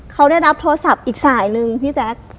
เขาได้รับโทรศัพท์อีกสายนึงพี่แจ๊ค